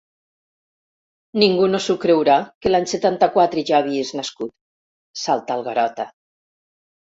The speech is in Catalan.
Ningú no s'ho creurà, que l'any setanta-quatre ja havies nascut! —salta el Garota.